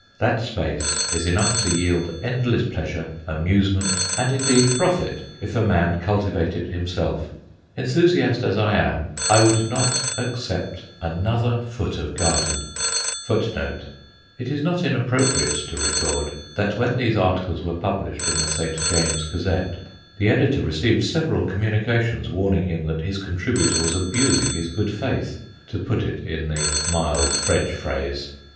That space is enough to yield endless pleasure, amusement, and indeed profit, if a man cultivate it himself. Enthusiast as I am, I would not accept another foot of garden. FOOTNOTES: [Footnote 1: It is not inappropriate to record that when these articles were published in the St. James' Gazette, the editor received several communications warning him that his contributor was abusing his good faith to put it in the mild French phrase.